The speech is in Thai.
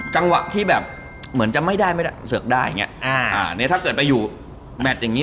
จังหวะที่แบบเหมือนจะไม่ได้เสิร์คได้ถ้าเกิดไปอยู่แบตอย่างนี้